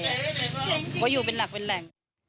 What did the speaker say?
เพราะอยู่เป็นหลักเป็นแหล่ง